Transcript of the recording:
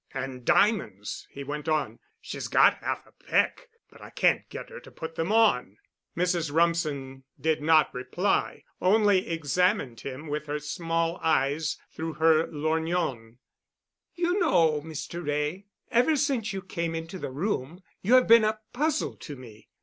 "And diamonds——" he went on. "She's got half a peck, but I can't get her to put them on." Mrs. Rumsen did not reply, only examined him with her small eyes through her lorgnon. "You know, Mr. Wray, ever since you came into the room you have been a puzzle to me.